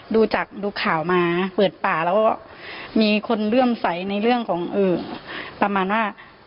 ดูจากดูข่าวมาเปิดป่าแล้วก็มีคนเลื่อมใสในเรื่องของประมาณว่า